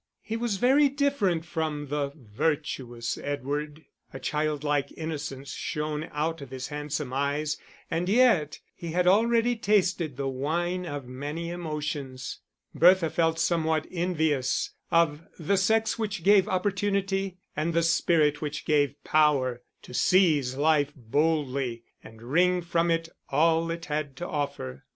He was very different from the virtuous Edward. A childlike innocence shone out of his handsome eyes, and yet he had already tasted the wine of many emotions. Bertha felt somewhat envious of the sex which gave opportunity, and the spirit which gave power, to seize life boldly, and wring from it all it had to offer.